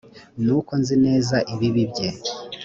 ni uko nzi neza ibibi bye